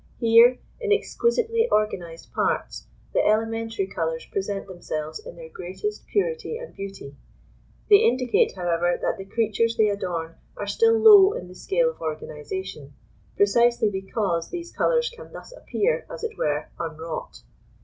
Here, in exquisitely organised parts, the elementary colours present themselves in their greatest purity and beauty. They indicate, however, that the creatures they adorn, are still low in the scale of organisation, precisely because these colours can thus appear, as it were, unwrought.